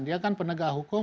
dia kan penegak hukum